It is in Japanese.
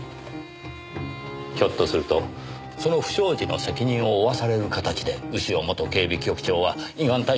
ひょっとするとその不祥事の責任を負わされる形で潮元警備局長は依願退職扱いに。